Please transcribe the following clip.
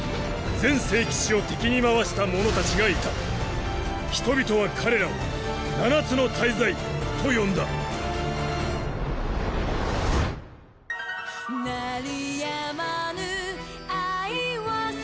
全聖騎士を敵に回した者たちがいた人々は彼らを七つの大罪と呼んだおいおい